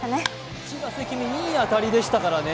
１打席目、いい当たりでしたからね。